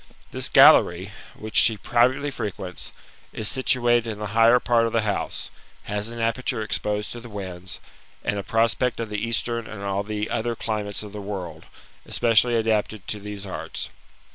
This gallery, which she privately frequents, is situated in the higher part of the house, has an aperture exposed to the winds, and a prospect of the eastern and all the other climates of the world, especiaily adapted to these arts.